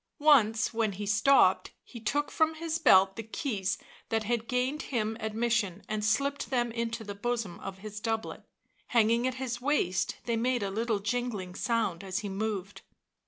Once, when he stopped, he took from his belt the keys that had gained him admission and slipped them into the bosom of his doublet; hanging at his waist, they made a little jingling sound as he moved.